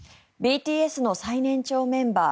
ＢＴＳの最年長メンバー